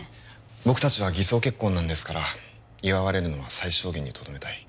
僕達は偽装結婚なんですから祝われるのは最小限にとどめたい